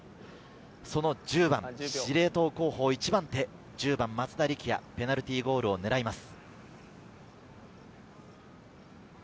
その１０番、司令塔候補一番手・松田力也、ペナルティーゴールを狙います。